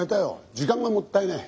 時間がもったいねえ。